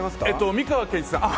美川憲一さん、あっ！